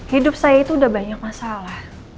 hidup saya itu udah banyak masalah